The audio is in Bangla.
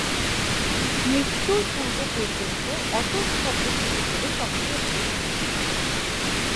মৃত্যুর পূর্ব পর্যন্ত অটো স্থপতি হিসেবে সক্রিয় ছিলেন।